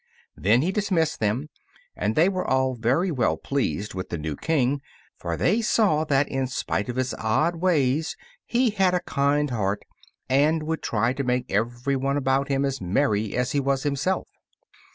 Then he dismissed them, and they were all very well pleased with the new King, for they saw that, in spite of his odd ways, he had a kind heart, and would try to make every one about him as merry as he was himself.